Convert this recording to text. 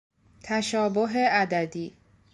تشابه عددی